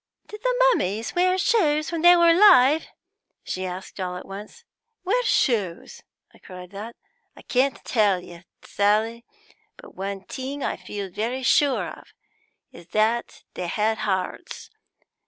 'Did the mummies wear shoes when they were alive?' she asked, all at once. 'Wear shoes!' I cried out. 'I can't tell you, Sally; but one thing I feel very sure of, and that is that they had hearts.